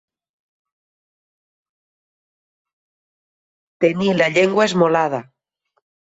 Tenir la llengua esmolada.